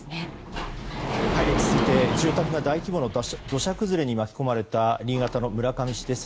続いて、住宅が大規模な土砂崩れに巻き込まれた新潟の村上市です。